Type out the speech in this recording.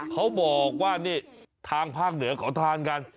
เขาบอกว่านี่ทางภาคเหนือเขาทานกัน